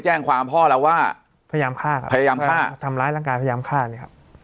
แจ้งความพ่อเราว่าพยายามฆ่าครับพยายามฆ่าทำร้ายร่างกายพยายามฆ่าเลยครับ